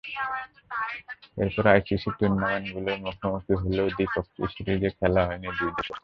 এরপর আইসিসির টুর্নামেন্টগুলোয় মুখোমুখি হলেও দ্বিপক্ষীয় সিরিজে খেলা হয়নি দুই দেশের।